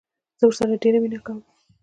زه ورسره ډيره مينه کوم